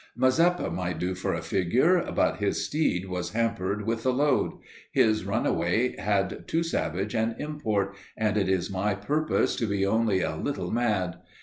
Mazeppa might do for a figure, but his steed was hampered with the load; his runaway had too savage an import, and it is my purpose to be only a little mad.